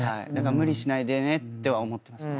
無理しないでねとは思ってますね。